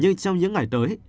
nhưng trong những ngày tới